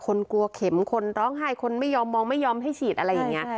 กลัวเข็มคนร้องไห้คนไม่ยอมมองไม่ยอมให้ฉีดอะไรอย่างนี้